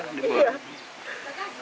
ketika dianggap terlalu banyak